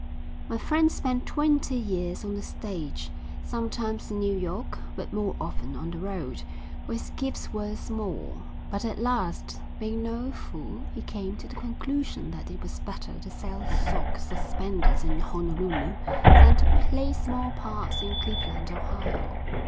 My friend spent twenty years on the stage, sometimes in New York, but more often on the road, for his gifts were small; but at last, being no fool, he came to the conclusion that it was better to sell sock suspenders in Honolulu than to play small parts in Cleveland, Ohio.